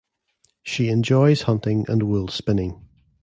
She enjoys hunting and wool spinning.